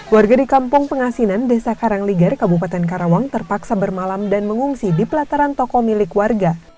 warga di kampung pengasinan desa karangligar kabupaten karawang terpaksa bermalam dan mengungsi di pelataran toko milik warga